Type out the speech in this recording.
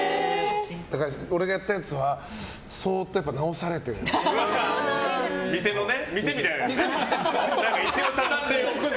俺がやったやつは、そーっと直されてますね。